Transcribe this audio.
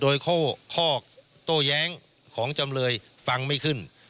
ได้อ่านคำพิพากษาโดยข้อโต้แย้งของจำเลยฟังไม่ขึ้น